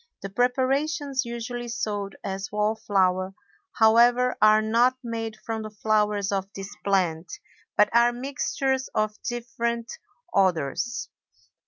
The preparations usually sold as wallflower, however, are not made from the flowers of this plant, but are mixtures of different odors.